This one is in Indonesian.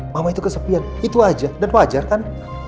mama itu kesepian itu aja dan wajar kan